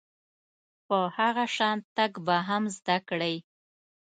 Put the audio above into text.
په هغه شان تګ به هم زده کړئ .